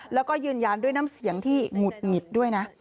แล้วก็ยืนยันด้วยน้ำเสียงที่หงุดหงิดด้วยนะ